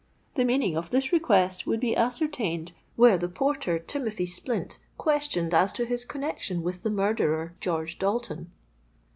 The meaning of this request would be ascertained, were the porter Timothy Splint, questioned as to his connexion with the murderer George Dalton.